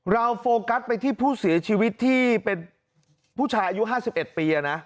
โฟกัสไปที่ผู้เสียชีวิตที่เป็นผู้ชายอายุ๕๑ปีนะ